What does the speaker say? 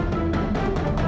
kita harus ke rumah